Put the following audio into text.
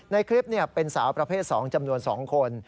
ในคลิปเป็นสาวประเภท๒จำนวน๒คน